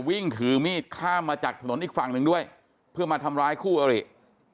วิ่งถือมีดข้ามมาจากถนนอีกฝั่งหนึ่งด้วยเพื่อมาทำร้ายคู่อริ